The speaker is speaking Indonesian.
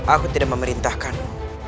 aku tidak memerintahkanmu